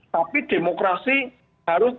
tapi demokrasi harus